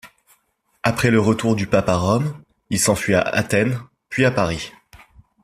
Après le retour du Pape à Rome, il s'enfuit à Athènes, puis à Paris.